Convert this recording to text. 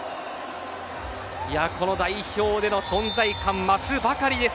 この代表での存在感増すばかりです。